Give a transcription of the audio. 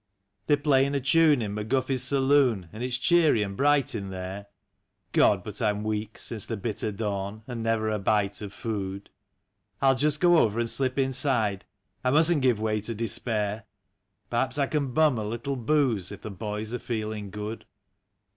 They're playing a tune in McGuffy's saloon, and it's cheery and bright in there (God! but I'm weak — since the bitter dawn, and never a bite of food) ; I'll just go over and slip inside — I mustn't give way to despair — Perhaps I can bum a little booze if the boys are feel ing good.